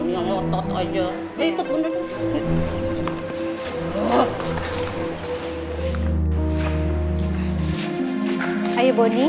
ya ikut bunda